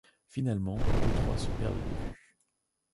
Finalement, tous trois se perdent de vue.